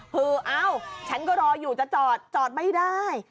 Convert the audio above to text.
คือเอ้าฉันก็รออยู่จะจอดจอดไม่ได้